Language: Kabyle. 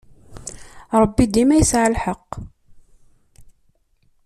Ṛebbi dima yesɛa lḥeqq.